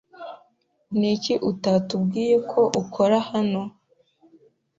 Niki utatubwiye ko ukora hano?